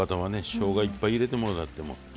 しょうがいっぱい入れてもらっても。